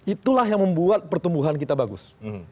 itulah yang membuat pertumbuhan kita bagus